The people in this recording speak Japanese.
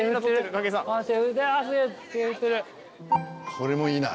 これもいいな。